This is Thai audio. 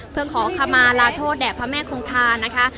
เพื่อขอขมาลาโทษแด่พระแม่คงคานะคะ